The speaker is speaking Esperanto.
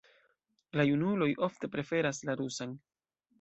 La junuloj ofte preferas la rusan.